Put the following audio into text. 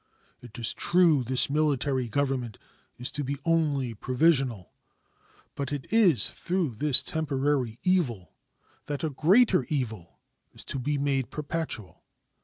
It is true this military government is to be only provisional, but it is through this temporary evil that a greater evil is to be made perpetual.